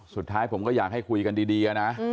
สุดท้ายผมก็อยากให้คุยกันดีนะ